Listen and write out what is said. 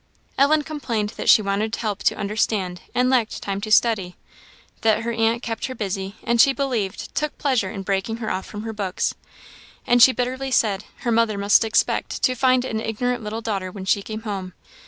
Ellen complained that she wanted help to understand, and lacked time to study; that her aunt kept her busy, and, she believed, took pleasure in breaking her off from her books; and she bitterly said, her mother must expect to find an ignorant little daughter when she came home.